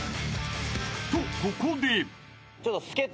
［とここで］